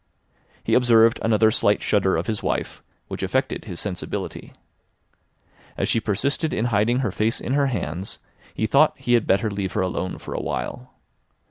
He observed another slight shudder of his wife, which affected his sensibility. As she persisted in hiding her face in her hands, he thought he had better leave her alone for a while.